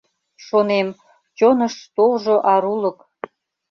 Шонем: чоныш толжо арулык —